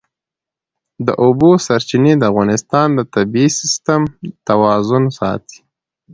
د اوبو سرچینې د افغانستان د طبعي سیسټم توازن ساتي.